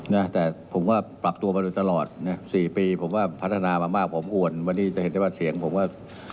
เป็นอะไรต่างก็ก็จำเป็นต้องกวบคุมเองก็ได้